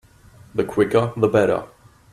The quicker the better.